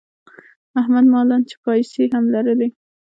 احت مالًا چې پیسې هم لرلې.